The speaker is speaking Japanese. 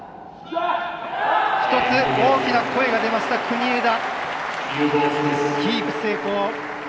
１つ、大きな声が出ました国枝。